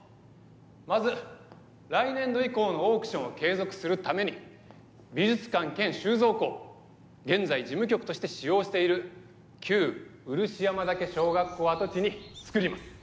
まず来年度以降のオークションを継続するために美術館兼収蔵庫を現在事務局として使用している旧漆山岳小学校跡地に造ります。